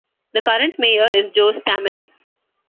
The current mayor is Joe Stammen.